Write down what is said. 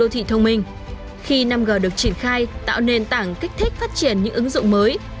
thị thông minh khi năm g được triển khai tạo nền tảng kích thích phát triển những ứng dụng mới